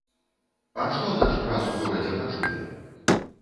А што наш брат у горадзе пачуе?